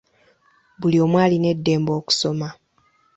Buli omu alina eddembe okusoma.